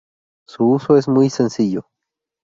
Su uso es muy sencillo